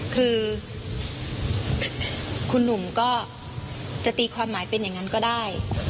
คือคุณหนุ่มก็จะตีความหมายเป็นอย่างนั้นก็ได้